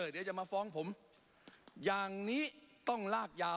เดี๋ยวจะมาฟ้องผม